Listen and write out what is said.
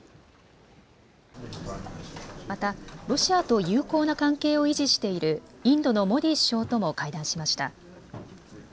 また、ロシアと友好な関係を維持しているインドのモディ首相とも会談しました。